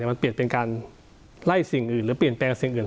มันเปลี่ยนเป็นการไล่สิ่งอื่นหรือเปลี่ยนแปลงสิ่งอื่น